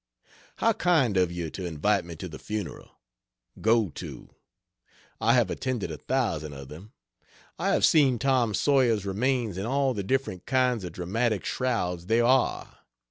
How kind of you to invite me to the funeral. Go to; I have attended a thousand of them. I have seen Tom Sawyer's remains in all the different kinds of dramatic shrouds there are.